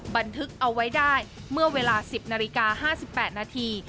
บันทึกเอาไว้ได้เมื่อเวลา๑๐นาฬิกา๕๘นาที